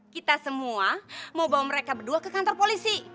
kita semua mau bawa mereka berdua ke kantor polisi